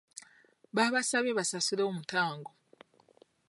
Baabasabye basasule omutango.